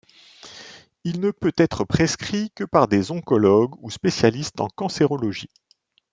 Il ne peut être prescrit que par des oncologues ou spécialistes en cancérologie.